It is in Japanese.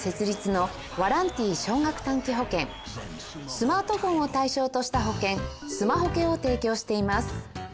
スマートフォンを対象とした保険スマホケを提供しています